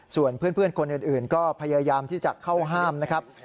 ส่วนเพื่อนคนอื่นก็พยายามที่จะเข้าห้ามนะครับ